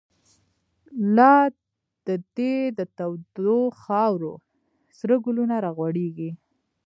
لاددی دتودوخاورو، سره ګلونه راغوړیږی